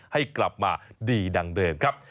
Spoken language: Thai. ให้กลับมาดีดังเดิมครับ